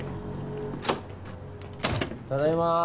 ただいま。